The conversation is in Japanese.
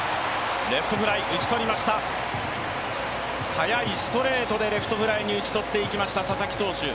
速いストレートでレフトフライに打ち取っていきました、佐々木投手。